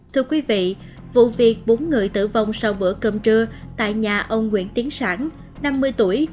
thưa quý vị vụ việc bốn người tử vong sau bữa cơm trưa tại nhà ông nguyễn tiến sản năm mươi tuổi